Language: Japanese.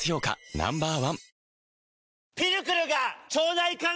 Ｎｏ．１